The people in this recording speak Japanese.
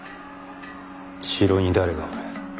城に誰がおる？